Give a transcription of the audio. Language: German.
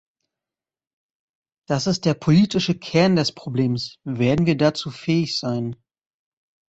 Das ist der politische Kern des Problems – werden wir dazu fähig sein?